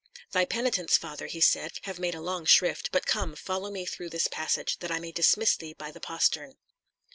"Thy penitents, father," he said, "have made a long shrift; but come, follow me through this passage, that I may dismiss thee by the postern."